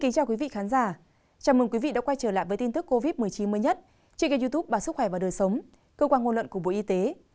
chào mừng quý vị đã quay trở lại với tin tức covid một mươi chín mới nhất trên kênh youtube bà sức khỏe và đời sống cơ quan ngôn luận của bộ y tế